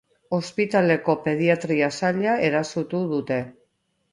Ospitaleko pediatria saila erasotu dute.